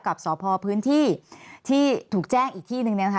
กับสพพื้นที่ที่ถูกแจ้งอีกที่นึงเนี่ยนะคะ